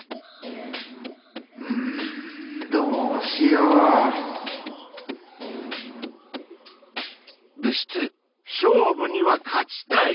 うんどうしよう⁉勝負には勝ちたい。